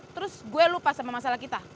terus gue lupa sama masalah kita